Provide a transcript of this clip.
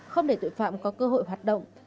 không để tội phạm có cơ hội hoạt động